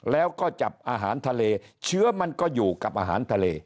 แล้วก็จับอาหารทะเลเชื้อมันก็อยู่กับอาหารทะเล